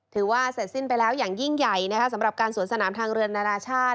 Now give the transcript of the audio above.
ถือว่าเสร็จสิ้นไปแล้วอย่างยิ่งใหญ่นะคะสำหรับการสวนสนามทางเรือนนานาชาติ